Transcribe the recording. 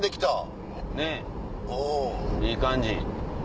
いい感じ。